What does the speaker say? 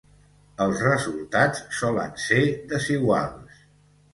Els resultats solen ser desiguals.